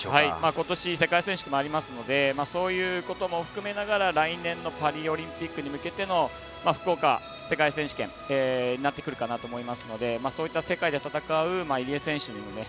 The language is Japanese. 今年世界選手権もありますのでそういうことも含めながら来年のパリオリンピックに向けての福岡、世界選手権になってくるかなと思いますのでそういった世界で戦う入江選手